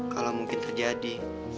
kalau mungkin terjadi